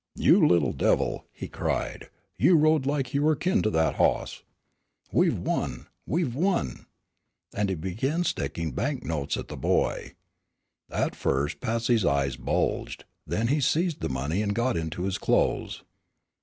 "You little devil," he cried, "you rode like you were kin to that hoss! We've won! We've won!" And he began sticking banknotes at the boy. At first Patsy's eyes bulged, and then he seized the money and got into his clothes.